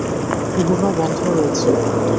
গুহা বন্ধ রয়েছে।